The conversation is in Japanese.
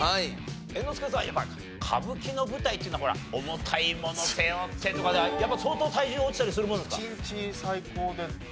猿之助さんやっぱ歌舞伎の舞台っていうのはほら重たいものを背負ってとかでやっぱ相当体重落ちたりするものですか？